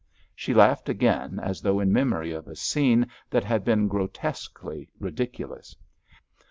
She laughed again, as though in memory of a scene that had been grotesquely ridiculous.